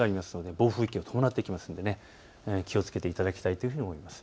暴風域を伴ってきますので気をつけていただきたいと思います。